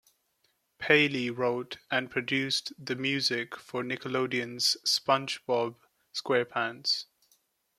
Paley wrote and produced the music for Nickelodeon's SpongeBob SquarePants.